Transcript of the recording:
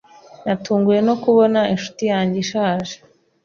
Natunguwe no kubona inshuti yanjye ishaje.